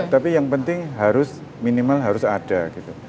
tapi yang penting harus minimal harus ada gitu